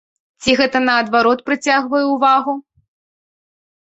Ці гэта наадварот прыцягвае ўвагу?